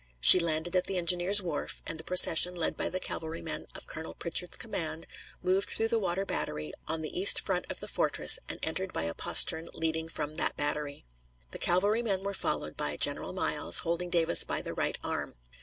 She landed at the engineers' wharf, and the procession, led by the cavalrymen of Colonel Pritchard's command, moved through the water battery on the east front of the fortress and entered by a postern leading from that battery. The cavalrymen were followed by General Miles, holding Davis by the right arm.